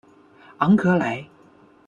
昂格莱。